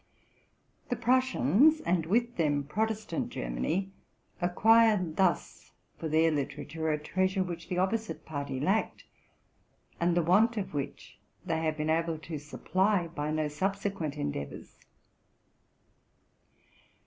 The Prussians, and with them Protestant Germany, ac quired thus for their literature a treasure which the opposite party lacked, and the want of which they have been abie to supply by no subsequent endeavors.